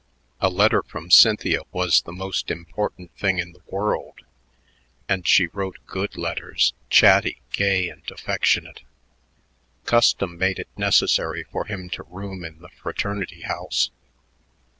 A letter from Cynthia was the most important thing in the world, and she wrote good letters, chatty, gay, and affectionate. Custom made it necessary for him to room in the fraternity house.